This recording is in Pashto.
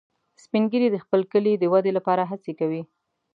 سپین ږیری د خپل کلي د ودې لپاره هڅې کوي